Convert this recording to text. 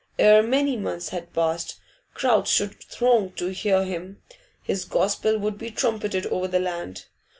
Ere many months had passed, crowds should throng to hear him; his gospel would be trumpeted over the land.